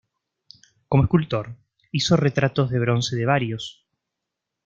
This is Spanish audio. Como escultor, hizo retratos de bronce de varios.